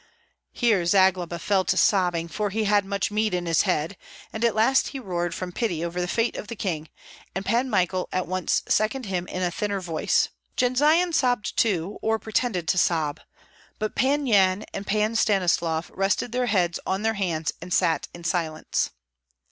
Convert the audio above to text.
Here Zagloba fell to sobbing, for he had much mead in his head, and at last he roared from pity over the fate of the king, and Pan Michael at once seconded him in a thinner voice. Jendzian sobbed too, or pretended to sob; but Pan Yan and Pan Stanislav rested their heads on their hands, and sat in silence.